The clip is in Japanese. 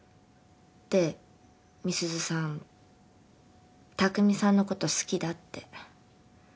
で美鈴さん拓海さんのこと好きだって。